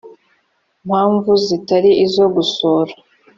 mpamvu zitari izo gusura